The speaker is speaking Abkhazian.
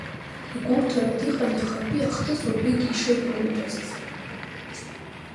Игәоуҭартә иҟан иахатәи ахҭыс уажәыгьы ишеиқәымтәацыз.